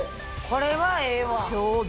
これはええわ。